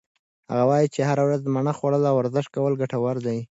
هغه وایي چې هره ورځ مڼه خوړل او ورزش کول ګټور دي.